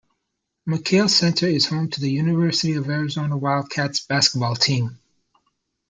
McKale Center is home to the University of Arizona Wildcats basketball team.